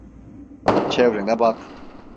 Çevrene bak.